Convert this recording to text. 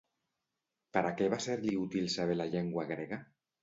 Per a què va ser-li útil saber la llengua grega?